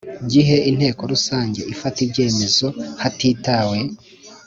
Gihe inteko rusange ifata ibyemezo hatitawe